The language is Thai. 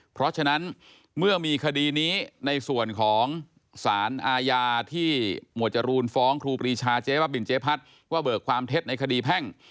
เพราะฉะนั้นเมื่อมีคดีนี้ในส่วนของสารอาญาที่หมวดจรูนฟ้องครูปรีชาเจ๊บ้าบินเจ๊พัดว่าเบิกความเท็จในคดีแพ่ง